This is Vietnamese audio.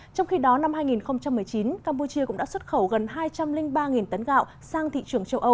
trong khi đó năm hai nghìn một mươi chín campuchia cũng đã xuất khẩu gần hai trăm linh ba tấn gạo sang thị trường châu âu